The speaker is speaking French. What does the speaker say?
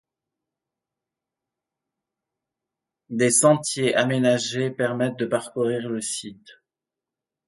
Des sentiers aménagés permettent de parcourir le site.